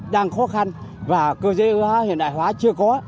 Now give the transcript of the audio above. đang khó khăn và cơ giới hướng hóa hiện đại hóa chưa có